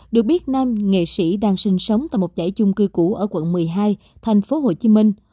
được biết nam nghệ sĩ đang sinh sống tại một giải chung cư cũ ở quận một mươi hai thành phố hồ chí minh